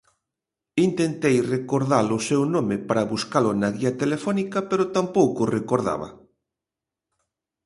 Intentei recorda-lo seu nome pra buscalo na guía telefónica pero tampouco o recordaba.